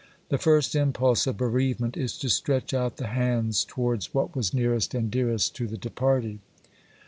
The first impulse of bereavement is to stretch out the hands towards what was nearest and dearest to the departed.